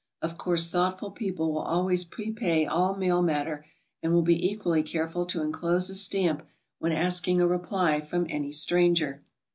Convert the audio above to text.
Of course thoughtful people will always prepay all mail matter, and will be equally careful to enclose a stamp when asking a reply from any stranger.